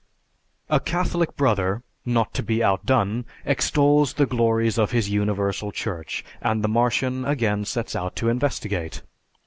A Catholic Brother, not to be outdone, extols the glories of his Universal Church, and the Martian again sets out to investigate.